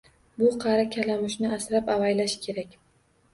Bu qari kalamushni asrab-avaylash kerak